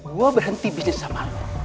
gue berhenti bisnis sama anak